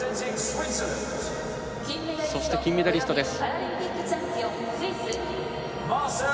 そして金メダリストです。